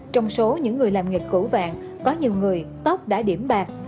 trong số những người làm nghịch củ vạn có nhiều người tóc đã điểm bạc